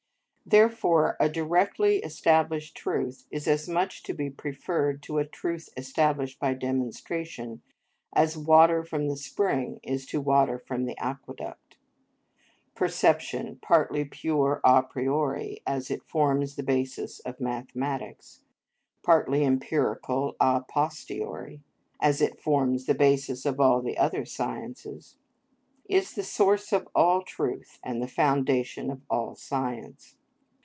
Therefore a directly established truth is as much to be preferred to a truth established by demonstration as water from the spring is to water from the aqueduct. Perception, partly pure a priori, as it forms the basis of mathematics, partly empirical a posteriori, as it forms the basis of all the other sciences, is the source of all truth and the foundation of all science.